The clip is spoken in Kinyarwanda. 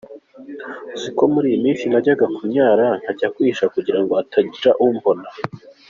Uzi ko muri iyi minsi najyaga kunyara nkajya kwihisha kugira ngo hatagira umuntu umbona?”.